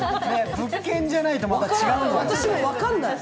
物件じゃないとまた違うんだよ。